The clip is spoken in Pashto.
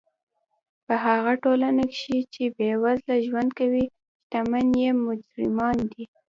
په هغه ټولنه کښي، چي بېوزله ژوند کوي، ښتمن ئې مجرمان يي.